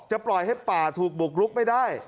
ปล่อยให้ป่าถูกบุกลุกไม่ได้